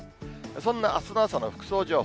そんなあすの朝の服装情報。